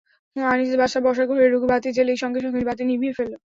আনিস বসার ঘরে ঢুকে বাতি জ্বেলেই সঙ্গে-সঙ্গে বাতি নিভিয়ে ফেলল।